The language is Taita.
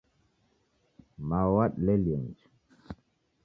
Mao wadilelie nicha